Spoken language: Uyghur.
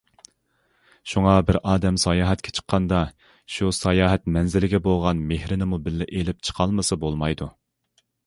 شۇڭا بىر ئادەم ساياھەتكە چىققاندا، شۇ ساياھەت مەنزىلىگە بولغان مېھرىنىمۇ بىللە ئېلىپ چىقالمىسا بولمايدۇ.